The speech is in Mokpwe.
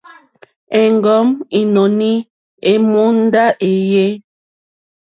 Èŋgúm ínɔ̀ní èmùndá wéèyé.